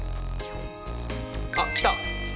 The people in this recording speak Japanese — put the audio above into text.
あっ来た。